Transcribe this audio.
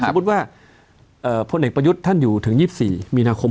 สมมุติว่าพลเอกประยุทธ์ท่านอยู่ถึง๒๔มีนาคม